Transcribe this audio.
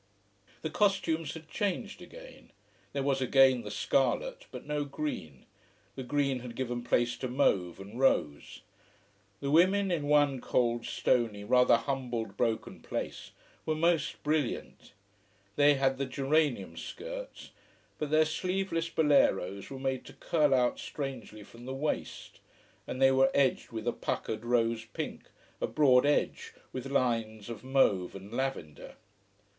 The costumes had changed again. There was again the scarlet, but no green. The green had given place to mauve and rose. The women in one cold, stony, rather humbled broken place were most brilliant. They had the geranium skirts, but their sleeveless boleros were made to curl out strangely from the waist, and they were edged with a puckered rose pink, a broad edge, with lines of mauve and lavender.